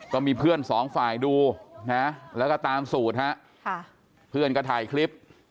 ก็มีเพื่อนสองฝ่ายดูนะแล้วก็ตามสูตรฮะเพื่อนก็ถ่ายคลิป